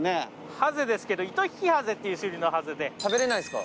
・ハゼですけどイトヒキハゼっていう種類のハゼで・食べれないですか？